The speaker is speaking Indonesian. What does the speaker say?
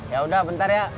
ya udah bentar ya